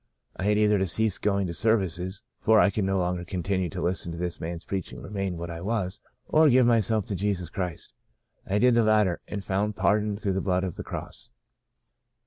I had either to cease going to services — for I could no longer continue to listen to this man's preaching and remain what I was — or give myself to Jesus Christ. I did the latter, and found pardon through the blood of the Cross.